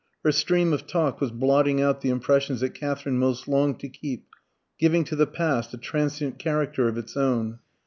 Her stream of talk was blotting out the impressions that Katherine most longed to keep, giving to the past a transient character of its own.